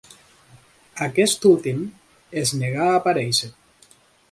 Aquest últim es negà a aparèixer.